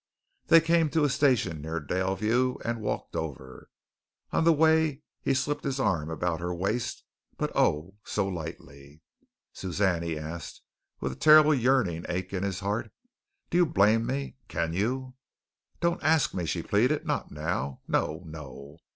They came to a station near Daleview, and walked over. On the way he slipped his arm about her waist, but, oh, so lightly. "Suzanne," he asked, with a terrible yearning ache in his heart, "do you blame me? Can you?" "Don't ask me," she pleaded, "not now. No, no."